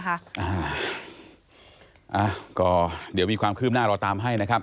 อ่าก็เดี๋ยวมีความคืบหน้าเราตามให้นะครับ